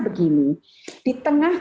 begini di tengah